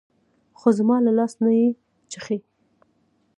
خو زما له لاسه يې نه چښي.